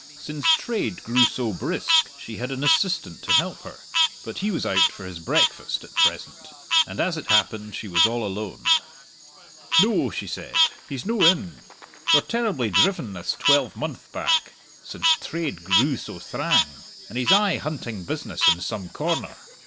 Since trade grew so brisk she had an assistant to help her, but he was out for his breakfast at present, and as it happened she was all alone. "No," she said, "he's no in. We're terribly driven this twelvemonth back, since trade grew so thrang, and he's aye hunting business in some corner.